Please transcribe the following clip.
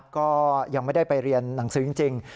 ก็ยังไม่ได้ไปเรียนหนังสือจริง